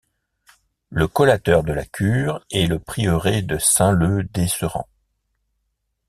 Le collateur de la cure est le prieuré de Saint-Leu-d'Esserent.